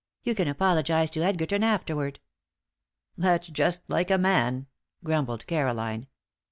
You can apologize to Edgerton afterward." "That's just like a man," grumbled Caroline.